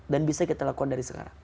dan bisa kita lakukan dari sekarang